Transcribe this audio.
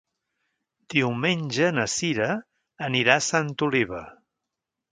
Diumenge na Cira anirà a Santa Oliva.